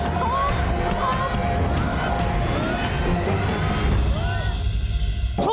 พี่กล้อง